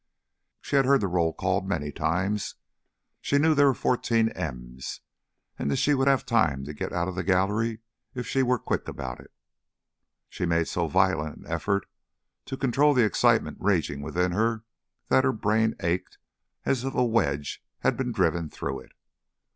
She had heard the roll called many times, she knew there were fourteen M's, and that she would have time to get out of the gallery if she were quick about it. She made so violent an effort to control the excitement raging within her that her brain ached as if a wedge had been driven through it.